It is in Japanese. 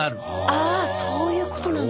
あそういうことなんだ。